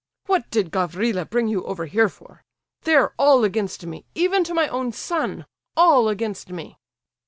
What did Gavrila bring you over here for? They're all against me, even to my own son—all against me."